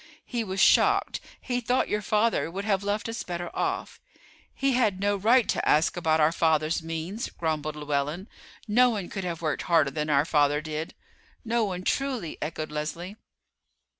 He was shocked; he thought your father would have left us better off." "He had no right to ask about our father's means," grumbled Llewellyn. "No one could have worked harder than our father did." "No one, truly," echoed Leslie.